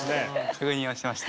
確認をしてました。